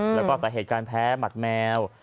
แล้วก็สาเหตุการแพ้หมัดแมว